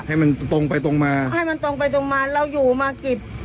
ให้มันตรงไปตรงมาให้มันตรงไปตรงมาเราอยู่มากี่